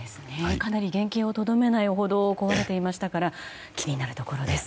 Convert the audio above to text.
かなり原形をとどめないほど壊れていましたから気になるところです。